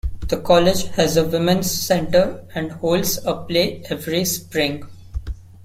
The College has a Women's Center and holds a play every Spring.